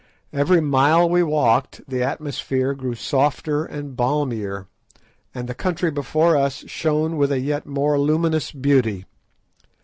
Every mile we walked the atmosphere grew softer and balmier, and the country before us shone with a yet more luminous beauty.